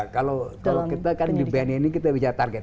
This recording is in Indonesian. kalau kita kan di ban ini kita bicara target